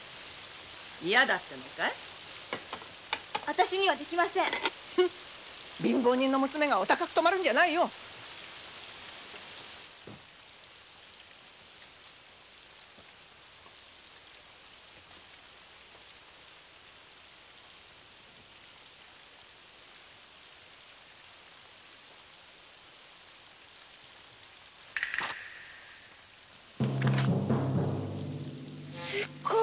嫌だって言うのかいあたしにはできません貧乏人の娘がお高くとまるんじゃないよすごい。